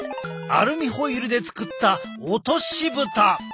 アルミホイルで作ったおとしぶた！